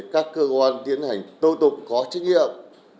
các cơ quan tiến hành tô tục có trách nhiệm